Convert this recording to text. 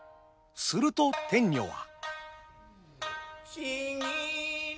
すると天女は。